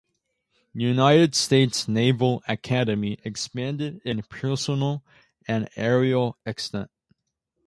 United States Naval Academy expanded in personnel and aereal extent.